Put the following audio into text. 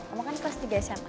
kamu kan kelas tiga sma